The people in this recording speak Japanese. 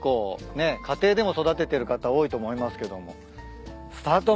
家庭でも育ててる方多いと思いますけどもスタート